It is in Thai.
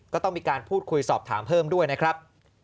ก็ต้องมีการพูดคุยสอบถามเพิ่มด้วยนะครับ